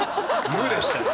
無でしたよ。